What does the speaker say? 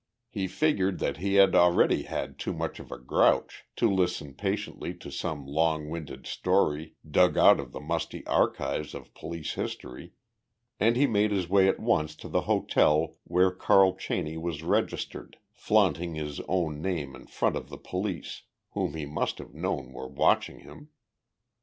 He figured that he had already had too much of a grouch to listen patiently to some long winded story dug out of the musty archives of police history and he made his way at once to the hotel where Carl Cheney was registered, flaunting his own name in front of the police whom he must have known were watching him.